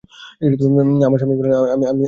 আমার স্বামী বললেন, আমি তবে চললুম।